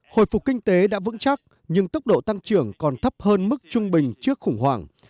hồi phục kinh tế đã vững chắc nhưng tốc độ tăng trưởng còn thấp hơn mức trung bình trước khủng hoảng